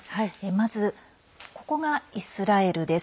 まず、ここがイスラエルです。